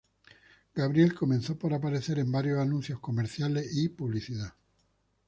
Gabriel comenzó por aparecer en varios anuncios comerciales y publicidad.